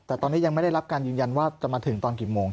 แต่ตอนนี้ยังไม่ได้รับการยืนยันว่าจะมาถึงตอนกี่โมง